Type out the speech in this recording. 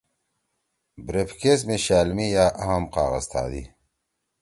بریف کیس می شألمی یا اہم کاغذ تھادی۔